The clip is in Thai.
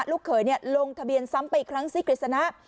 ลูกเขยลงทะเบียนซ้ำไปอีกครั้งสิกฤษณะ